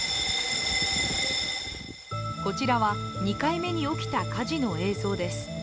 こちらは２回目に起きた火事の映像です。